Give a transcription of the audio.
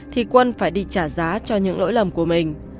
thì quân phải đi trả giá cho những lỗi lầm của mình